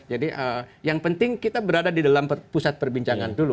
jadi yang penting kita berada di dalam pusat perbincangan